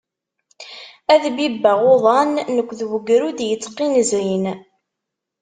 Ad bibbeɣ uḍan nekk d ugrud yetqinẓin.